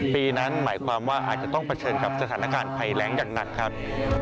ปีนั้นหมายความว่าอาจจะต้องเผชิญกับสถานการณ์ภัยแรงอย่างหนักครับ